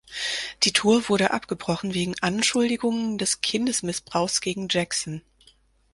Die Tour wurde abgebrochen wegen Anschuldigungen des Kindesmissbrauchs gegen Jackson.